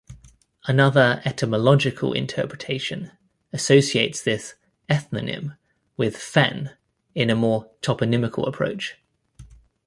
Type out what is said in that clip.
Another etymological interpretation associates this ethnonym with "fen" in a more toponymical approach.